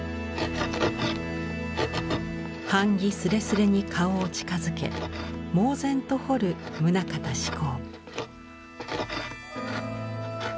版木すれすれに顔を近づけ猛然と彫る棟方志功。